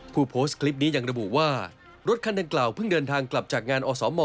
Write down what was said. ผู้โพสต์คลิปนี้ยังระบุว่ารถคันดังกล่าวเพิ่งเดินทางกลับจากงานอสม